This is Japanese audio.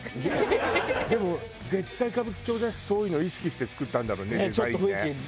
でも絶対歌舞伎町だしそういうの意識して造ったんだろうねデザインね。